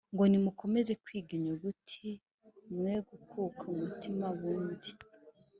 Ngo: "Nimukomeze kwiga inyuguti, Mwegukuka umutima bundi,